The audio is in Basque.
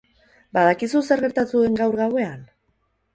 Badakizu zer gertatu den gaur gauean?